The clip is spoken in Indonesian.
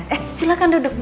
eh silahkan duduk